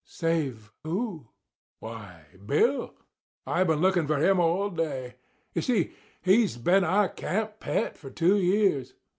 "Save who?" "Why, Bill. I've been looking for him all day. You see, he's been our camp pet for two years.